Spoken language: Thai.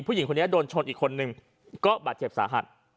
ผู้หญิงคนนี้โดนชนอีกคนนึงก็บาดเจ็บสาหัส